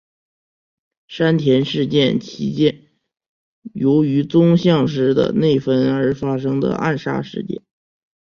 山田事件其间由于宗像氏的内纷而发生的暗杀事件。